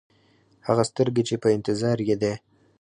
هغه سترګې چې په انتظار یې دی.